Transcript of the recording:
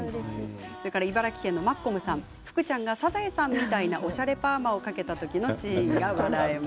茨城県の方福ちゃんがサザエさんみたいなおしゃれパーマをかけた時のシーン。